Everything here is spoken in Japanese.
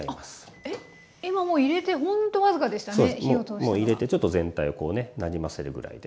もう入れてちょっと全体をこうねなじませるぐらいで。